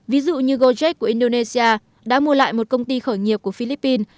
ví dụ như gojek của indonesia đã mua lại một công ty khởi nghiệp của philippines